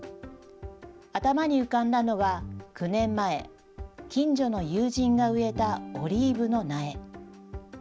頭に浮かんだのが９年前、近所の友人が植えたオリーブの苗。